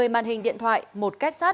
một mươi màn hình điện thoại một kết sát